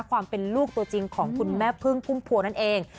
ความเป็นลูกตัวจริงของคุณแม่พึ่งพุ่มพวงนั่นเอง